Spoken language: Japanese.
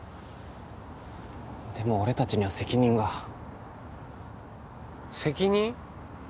でも俺達には責任が責任？